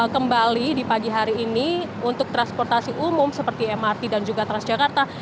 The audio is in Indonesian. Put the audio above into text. kembali di pagi hari ini untuk transportasi umum seperti mrt dan juga transjakarta